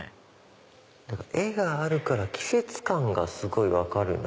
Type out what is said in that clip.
絵があるから季節感がすごい分かるな。